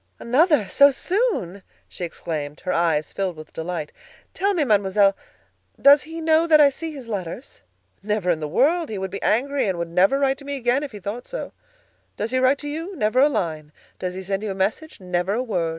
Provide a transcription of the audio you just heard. "Another! so soon!" she exclaimed, her eyes filled with delight. "Tell me, Mademoiselle, does he know that I see his letters?" "Never in the world! He would be angry and would never write to me again if he thought so. Does he write to you? Never a line. Does he send you a message? Never a word.